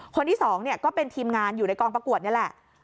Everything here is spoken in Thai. คนที่๒ก็เป็นทีมงานอยู่ในกองประกวดนี่แหละ